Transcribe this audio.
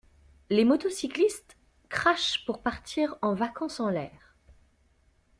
Les motocyclistes crachent pour partir en vacances en l'air.